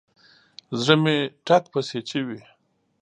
زړه مې ټک پسې چوي.